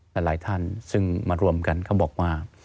หลายท่านซึ่งมารวมกันเขาบอกว่า